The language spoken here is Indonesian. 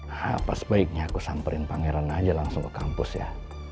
hah apa sebaiknya aku samperin pangeran aja langsung ke kampus ya